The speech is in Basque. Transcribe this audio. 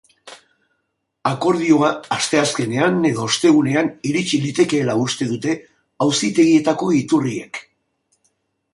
Akordioa asteazkenean edo ostegunean irits litekeela uste dute auzitegietako iturriek.